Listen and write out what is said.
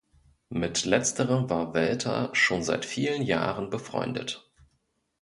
Mit letzterem war Welter schon seit vielen Jahren befreundet.